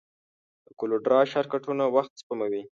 د کولر ډراو شارټکټونه وخت سپموي.